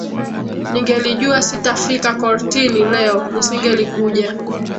Ningelijua sitafika kortini leo, nisingelikuja